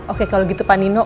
oke kalau gitu panino